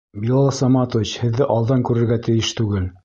Билал Саматович һеҙҙе алдан күрергә тейеш түгел!